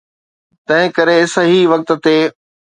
تنهنڪري صحيح وقت تي.